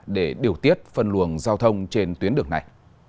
để điều tiết phân luồng giao thông trên tuyến đường này